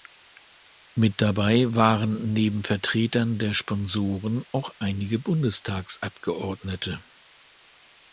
Mit dabei waren neben Vertretern der Sponsoren auch einige Bundestagsabgeordnete.